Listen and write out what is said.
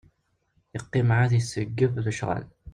Iqqim ɛad iseggeb lecɣal.